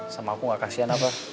sama aku gak kasian apa